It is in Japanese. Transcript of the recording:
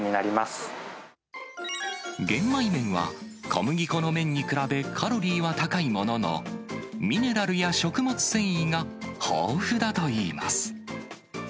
玄米麺は、小麦粉の麺に比べ、カロリーは高いものの、ミネラルや食物繊維が豊富だといいます。